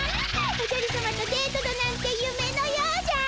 おじゃるさまとデートだなんて夢のようじゃ。